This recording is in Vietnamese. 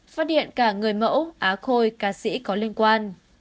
phát hiện cả người mẫu á khôi ca sĩ có liên quan